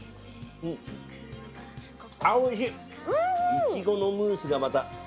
いちごのムースがまた。